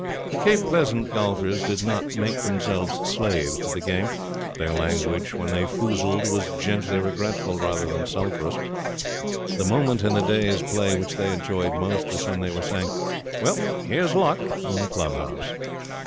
The Cape Pleasant golfers did not make themselves slaves to the game. Their language, when they foozled, was gently regretful rather than sulphurous. The moment in the day's play which they enjoyed most was when they were saying: 'Well, here's luck!' in the club house.